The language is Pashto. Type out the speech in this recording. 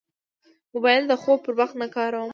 موبایل د خوب پر وخت نه کاروم.